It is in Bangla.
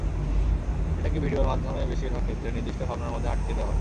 এটাকে ভিডিওর মাধ্যমে বেশির ভাগ ক্ষেত্রে নির্দিষ্ট ভাবনার মধ্যে আটকে দেওয়া হয়।